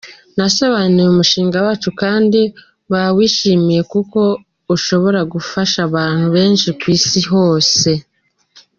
Nasobanuye umushinga wacu kandi bawishimiye kuko ushobora gufasha abantu benshi ku isi hose.